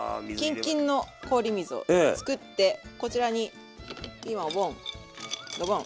キンキンの氷水を作ってこちらにピーマンをボンドボン。